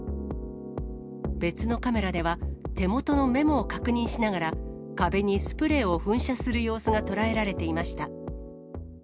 別のカメラでは、手元のメモを確認しながら、壁にスプレーを噴射する様子が捉えられていました。